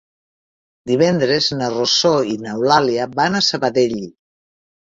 Divendres na Rosó i n'Eulàlia van a Sabadell.